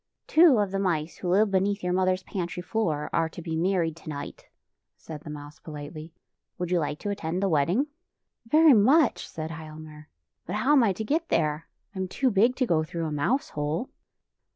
" Two of the mice who live beneath your mother's pantry floor are to be married tonight," said the mouse pohtely. " Would you like to attend the wedding? "" Veiy much," said Hialmar, " but how am I to get there? I am too big to go through a mouse hole."